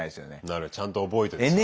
だからちゃんと覚えてるそれは。